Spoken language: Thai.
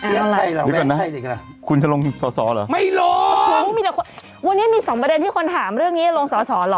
คุณจะลงสอสอเหรอไม่ลงมีแต่คนวันนี้มีสองประเด็นที่คนถามเรื่องนี้จะลงสอสอเหรอ